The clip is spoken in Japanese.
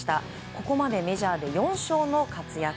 ここまでメジャーで４勝の活躍。